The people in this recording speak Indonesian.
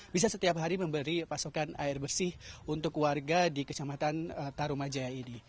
bisa setiap hari memberi pasokan air bersih untuk warga di kecamatan tarumajaya ini